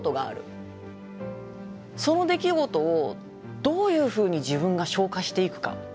その出来事をどういうふうに自分が消化していくか。